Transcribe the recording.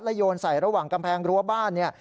แล้วยนใส่ระหว่างกำแพงรั้วบ้าน